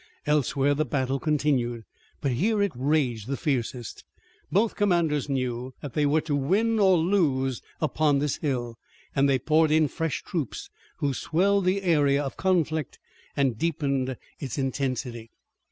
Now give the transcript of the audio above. Elsewhere the battle continued, but here it raged the fiercest. Both commanders knew that they were to win or lose upon this hill, and they poured in fresh troops who swelled the area of conflict and deepened its intensity.